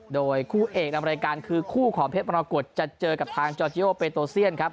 โดยคู่เอกนำรายการคือคู่ของเพชรมรกฏจะเจอกับทางจอร์จิโอเปโตเซียนครับ